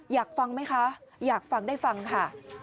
อยากฟังไหมคะอยากฟังได้ฟังค่ะ